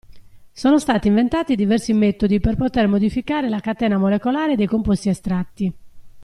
Sono stati inventati diversi metodi per poter modificare la catena molecolare dei composti estratti.